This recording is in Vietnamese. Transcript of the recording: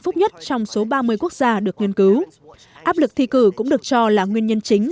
phức nhất trong số ba mươi quốc gia được nghiên cứu áp lực thi cử cũng được cho là nguyên nhân chính